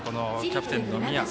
キャプテンの宮。